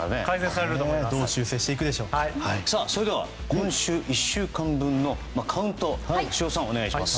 今週１週間分のカウント鷲尾さん、お願いします。